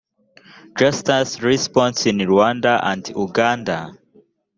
justice responses in rwanda and uganda